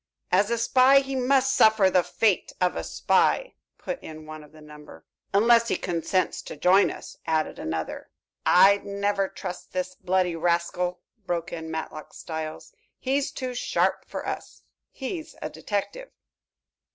"As a spy, he must suffer the fate of a spy," put in one of the number. "Unless he consents to join us," added another. "I'd never trust this bloody rascal," broke in Matlock Styles. "He's too sharp for us. He's a detective."